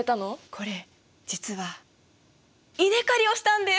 これ実は稲刈りをしたんです！